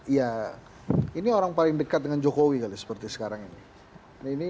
ya ini orang paling dekat dengan jokowi kali seperti sekarang ini